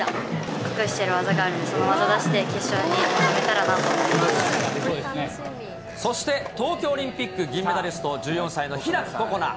隠している技があるので、その技出して決勝に臨めたらなと思いまそして東京オリンピック銀メダリスト、１４歳の開心那。